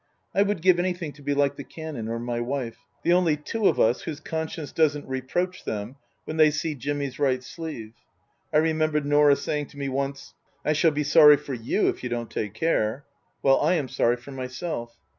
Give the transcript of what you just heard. I would give anything to be like the Canon or my wife, the only two of us whose conscience doesn't reproach them when they see Jimmy's right sleeve. I remember Norah saying to me once, " I shall be sorry for you if you don't take care." Well, I am sorry for myself.